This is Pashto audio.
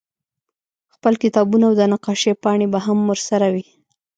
خپل کتابونه او د نقاشۍ پاڼې به هم ورسره وې